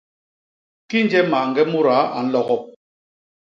Kinje mañge mudaa a nlogop!